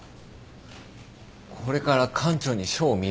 これから館長に書を見られるんだぞ。